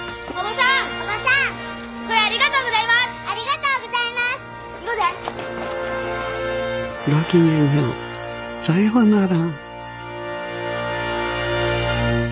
さようなら。